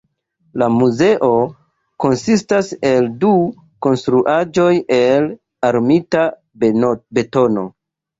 La muzeo konsistas el du konstruaĵoj el armita betono.